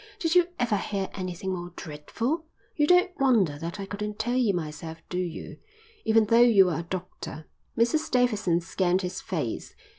"Did you ever hear anything more dreadful? You don't wonder that I couldn't tell you myself, do you? Even though you are a doctor." Mrs Davidson scanned his face.